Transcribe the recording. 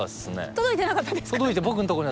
届いてなかったんですか？